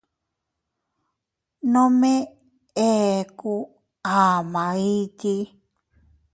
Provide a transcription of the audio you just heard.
Nome eku ama iti.